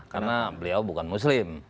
karena beliau bukan muslim